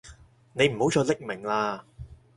你唔好再匿名喇